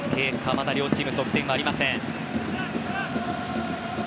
まだ両チーム、得点はありません。